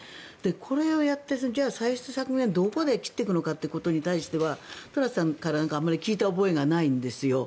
これをやって、じゃあ歳出削減はどこで切っていくのかということに関してはトラスさんからあまり聞いた覚えがないんですよ